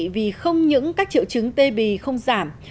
vì không những các triệu chứng tê bì không giảm